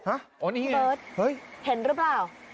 เบิ้ดเห็นรึเปล่า